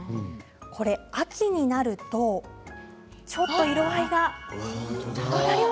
これが秋になるとちょっと色合いが。